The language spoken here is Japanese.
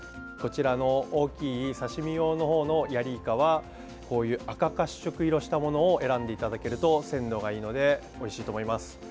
こちらの大きい刺身用のほうのヤリイカはこういう赤褐色したものを選んでいただけると鮮度がいいのでおいしいと思います。